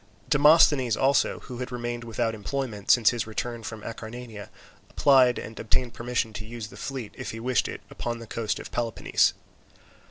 Demosthenes also, who had remained without employment since his return from Acarnania, applied and obtained permission to use the fleet, if he wished it, upon the coast of Peloponnese.